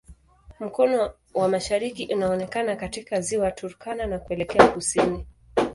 Mkono wa mashariki unaonekana katika Ziwa Turkana na kuelekea kusini.